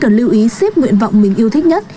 cần lưu ý xếp nguyện vọng mình yêu thích nhất